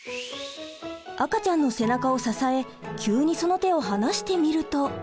赤ちゃんの背中を支え急にその手を離してみると。